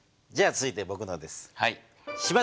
じゃあ続いてぼくのです。